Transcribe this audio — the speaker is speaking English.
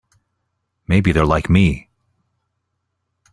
Maybe they're like me.